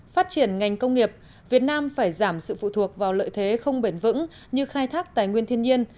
phát triển ngành công nghiệp việt nam phải giảm sự phụ thuộc vào lợi thế không bền vững như khai thác tài nguyên thiên nhiên